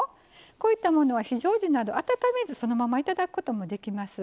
こういったものは非常時など温めずそのままいただくこともできます。